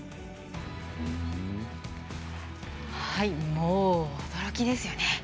もう驚きですよね。